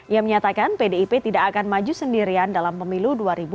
ia menyatakan pdip tidak akan maju sendirian dalam pemilu dua ribu dua puluh